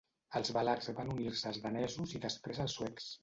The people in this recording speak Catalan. Els valacs van unir-se als danesos i després als suecs.